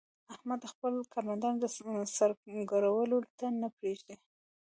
احمد خپل کارمندان د سر ګرولو ته نه پرېږي.